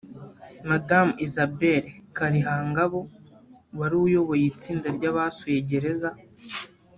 Madamu Isabelle Kalihangabo wari uyoboye itsinda ry’ abasuye gereza